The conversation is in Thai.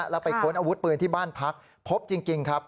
แล้วไปค้นอาวุธปืนที่บ้านพักพบจริงครับ